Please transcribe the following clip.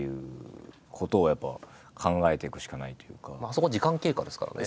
そこ時間経過ですからね。